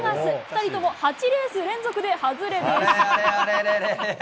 ２人とも８レース連続で外れです。